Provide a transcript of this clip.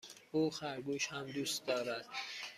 او خرگوش هم دوست دارد.